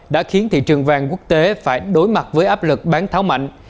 đã khiến thị trường vàng quốc tế phải đối mặt với áp lực bán tháo mạnh